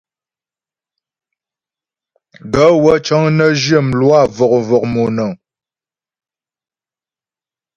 Gaə̂ wə́ cəŋ nə zhyə mlwâ vɔ̀k-vɔ̀k monaə́ŋ.